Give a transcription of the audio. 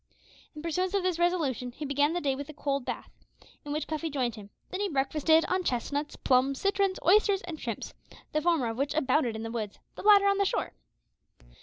In pursuance of this resolution he began the day with a cold bath, in which Cuffy joined him. Then he breakfasted on chestnuts, plums, citrons, oysters, and shrimps, the former of which abounded in the woods, the latter on the shore.